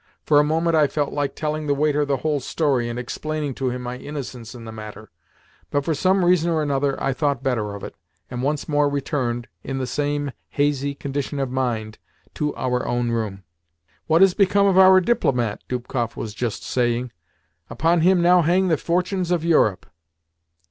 For a moment I felt like telling the waiter the whole story, and explaining to him my innocence in the matter, but for some reason or another I thought better of it, and once more returned, in the same hazy condition of mind, to our own room. "What has become of our DIPLOMAT?" Dubkoff was just saying. "Upon him now hang the fortunes of Europe."